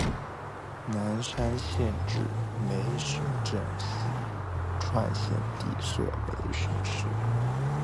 南山县治梅菉镇析吴川县地设梅菉市。